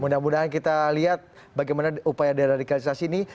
mudah mudahan kita lihat bagaimana upaya deradikalisasi ini